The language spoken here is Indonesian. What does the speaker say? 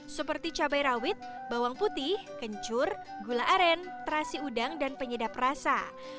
seperti cabai rawit bawang putih kencur gula aren terasi udang dan penyedap rasa